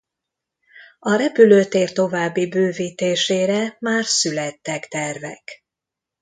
A repülőtér további bővítésére már születtek tervek.